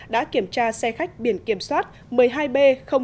đã kiểm tra xe khách biển kiểm soát một mươi hai b bốn trăm tám mươi năm